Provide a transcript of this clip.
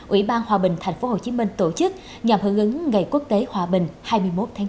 ủy ban hòa bình tp hcm tổ chức nhằm hưởng ứng ngày quốc tế hòa bình hai mươi một tháng chín